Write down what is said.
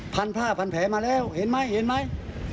พันผ้าพันแผลมาแล้วเห็นไหมเห็นไหม